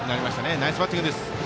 ナイスバッティング。